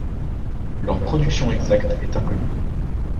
Leur production exacte est inconnue.